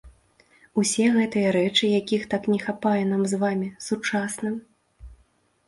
Усе гэтыя рэчы, якіх так не хапае нам з вамі, сучасным?